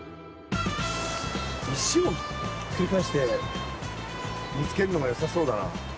石をひっくり返して見つけるのがよさそうだな。